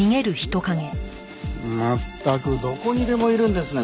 まったくどこにでもいるんですね